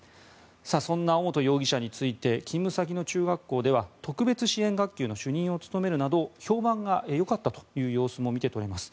そんな尾本容疑者について勤務先の中学校では特別支援学級の主任を務めるなど評判がよかったという様子も見て取れます。